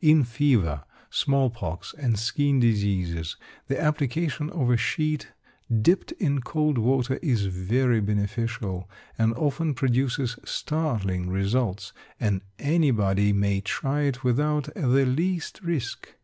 In fever, small pox, and skin diseases, the application of a sheet dipped in cold water is very beneficial, and often produces startling results; and anybody may try it without the least risk.